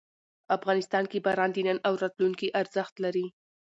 افغانستان کې باران د نن او راتلونکي ارزښت لري.